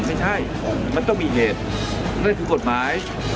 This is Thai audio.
ไม่ใช่มันต้องมีเหตุนั่นคือกฎหมาย